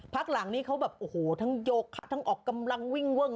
หลังนี้เขาแบบโอ้โหทั้งโยคะทั้งออกกำลังวิ่งเวิ้ง